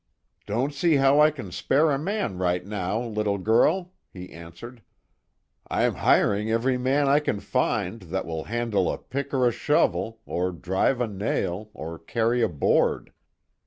"Don't see how I can spare a man right now, little girl," he answered, "I'm hiring every man I can find that will handle a pick or a shovel, or drive a nail, or carry a board.